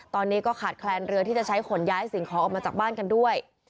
ตอนนี้ก็ขาดแคลนเรือที่จะใช้ขนย้ายสิ่งของออกมาจากบ้านกันด้วย